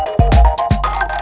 kau mau kemana